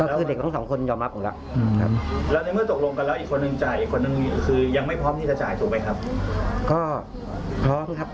พี่จะจ่ายถูกไหมครับ